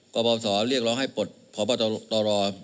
กบสเรียกร้องให้ปลดพบตร